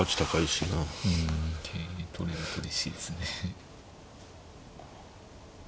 うん桂取れるとうれしいですね。